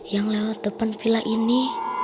yang lewat depan villa ini